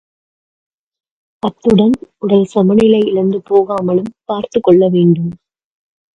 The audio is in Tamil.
அத்துடன், உடல் சமநிலை இழந்து போகாமலும் பார்த்துக்கொள்ள வேண்டும்.